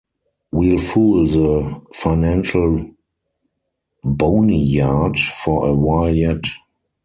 We'll fool the financial boneyard for a while yet.